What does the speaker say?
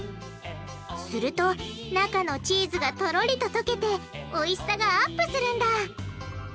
すると中のチーズがとろりと溶けておいしさがアップするんだ！